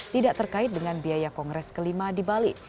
tidak terkait dengan biaya kongres kelima di bali